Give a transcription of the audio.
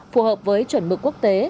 phù hợp với chuẩn mực quốc tế